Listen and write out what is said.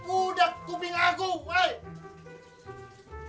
udah kuping aku weh